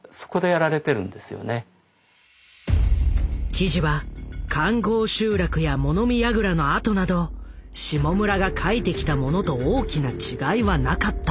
記事は環濠集落や物見やぐらの跡など下村が書いてきたものと大きな違いはなかった。